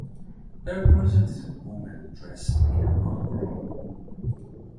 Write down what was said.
It represented a woman dressed in a long robe.